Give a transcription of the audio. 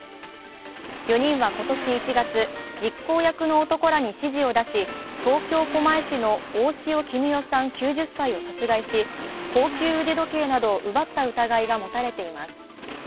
４人は今年１月、実行役の男らに指示を出し東京・狛江市の大塩衣与さん９０歳を殺害し、高級腕時計などを奪った疑いが持たれています